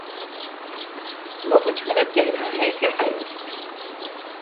وہ کچھ غلط کہہ رہا ہے کہ درست